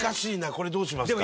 これどうしますか？